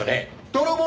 泥棒！